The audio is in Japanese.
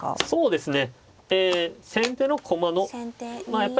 そうですね。